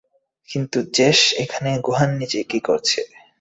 কিন্তু জেস এখানে গুহার নিচে কি করছে?